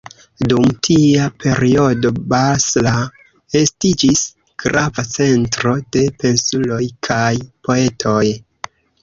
Dum tia periodo Basra estiĝis grava centro de pensuloj kaj poetoj.